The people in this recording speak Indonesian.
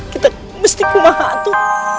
kita mesti kumah hati